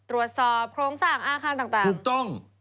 ตรวจสอบโครงสร้างอาคารต่างถูกต้อง